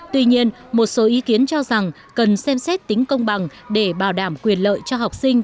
tuy nhiên một số ý kiến cho rằng cần xem xét tính công bằng để bảo đảm quyền lợi cho học sinh